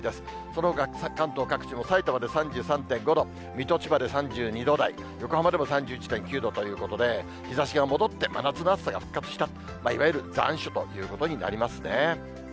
そのほか関東各地も、さいたまで３３．５度、水戸、千葉で３２度台、横浜でも３１．９度ということで、日ざしが戻って、真夏の暑さが復活した、いわゆる残暑ということになりますね。